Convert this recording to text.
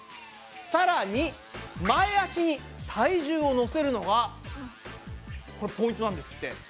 さらに前足に体重をのせるのがこれポイントなんですって。